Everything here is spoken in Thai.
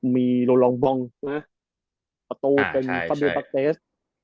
มีโรลองบองประตูเป็นคัมเบียบปรักเตส